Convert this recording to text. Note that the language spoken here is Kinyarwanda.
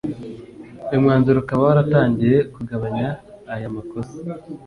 uyu mwanzuro ukaba waratangiye kugabanya aya makosa